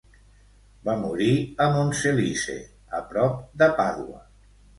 Va morir a Monselice, a prop de Pàdua.